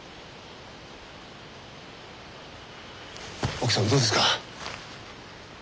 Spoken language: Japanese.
奥さんどうですか？